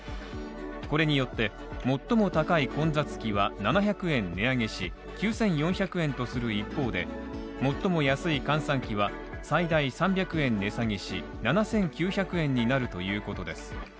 これによって、最も高い混雑期は７００円値上げし、９４００円とする一方で、最も安い閑散期は最大３００円で値下げし７９００円になるということです。